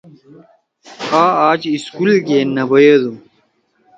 آ اج سکول گے نے بیدُو۔